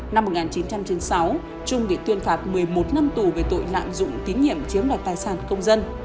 năm một nghìn chín trăm chín mươi sáu trung bị tuyên phạt một mươi một năm tù về tội lạm dụng tín nhiệm chiếm đoạt tài sản công dân